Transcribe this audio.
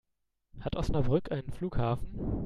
Hat Osnabrück einen Flughafen?